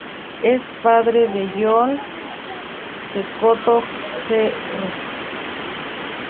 Es padre de Johnny Cecotto, jr.